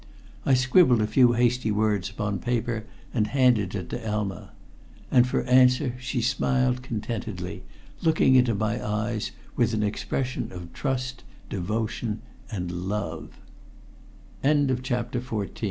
I scribbled a few hasty words upon paper and handed it to Elma. And for answer she smiled contentedly, looking into my eyes with an expression of trust, devotion and love. CHAPTER XV JUST OFF THE STRAND A week had gone by.